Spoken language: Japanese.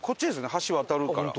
橋渡るから。